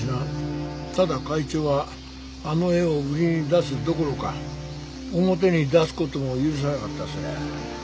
ただ会長はあの絵を売りに出すどころか表に出す事も許さなかったそうや。